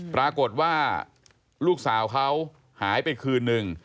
ปรากฏว่าลูกสาวเขาหายไปคืนนึง